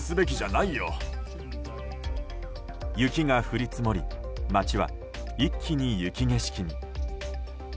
雪が降り積もり街は一気に雪景色に。